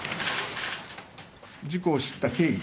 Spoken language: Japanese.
事故を知った経緯。